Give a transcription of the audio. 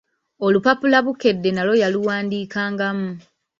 Olupapula Bukedde nalwo yaluwandiikangamu.